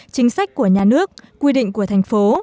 chính sách của nhà nước quy định của thành phố